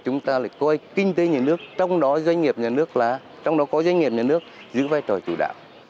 chúng ta lại coi kinh tế nhà nước trong đó doanh nghiệp nhà nước là trong đó có doanh nghiệp nhà nước giữ vai trò chủ đạo